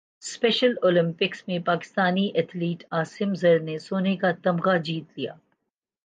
special Olympics میں Pakistani athlete Asim Zar نے سونے کا تمغہ جیت لیا